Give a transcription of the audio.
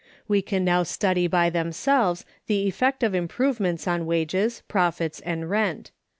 We can now study by themselves the effect of improvements on wages, profits, and rent.